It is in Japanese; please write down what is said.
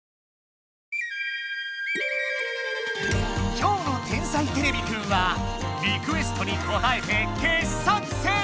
きょうの「天才てれびくん」はリクエストにこたえて傑作選！